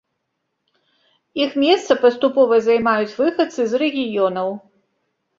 Іх месца паступова займаюць выхадцы з рэгіёнаў.